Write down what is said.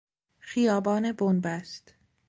خیابان بنبست